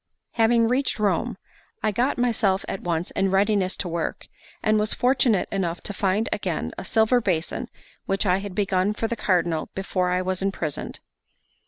Having reached Rome, I got myself at once in readiness to work, and was fortunate enough to find again a silver basin which I had begun for the Cardinal before I was imprisoned.